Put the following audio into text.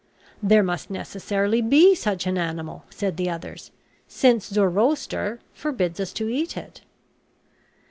"There must necessarily be such an animal," said the others, "since Zoroaster forbids us to eat it."